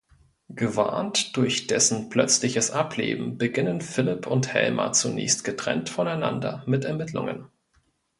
Gewarnt durch dessen plötzliches Ableben beginnen Philipp und Helma zunächst getrennt voneinander mit Ermittlungen.